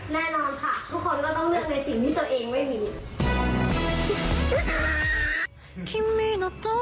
แน่นอนค่ะทุกคนก็ต้องเลือกในสิ่งที่ตัวเองไม่มี